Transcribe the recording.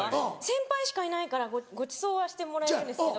先輩しかいないからごちそうはしてもらえるんですけど。